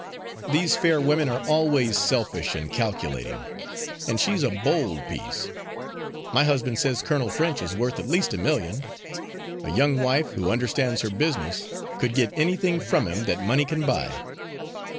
"These fair women are always selfish and calculating; and she's a bold piece. My husband says Colonel French is worth at least a million. A young wife, who understands her business, could get anything from him that money can buy."